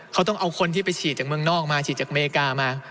เขาต้องเอาคนที่ไปฉีดจากเมืองนอกมาฉีดจากอเมริกามา